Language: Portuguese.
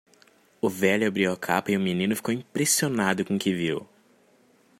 O velho abriu a capa e o menino ficou impressionado com o que viu.